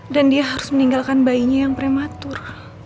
dan dia harus meninggalkan bayinya yang prematur